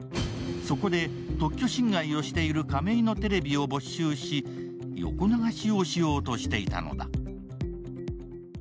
そこで、特許侵害をしている亀井のテレビを没収し、横流しをしようとしていたのだ。